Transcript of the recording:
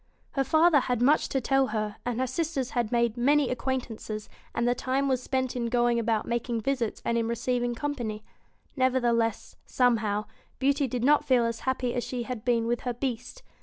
Her father had much to tell her, and her sisters had made many acquaintances, and the time was spent in going about making visits and in receiv ing company. Nevertheless, somehow, Beauty did not feel as happy as she had been with her Beast.